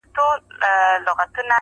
چي غوږونو ته مي شرنګ د پایل راسي؛